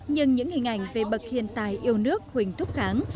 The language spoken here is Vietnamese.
nhưng những hình ảnh về bậc hiện tài yêu nước huỳnh thúc kháng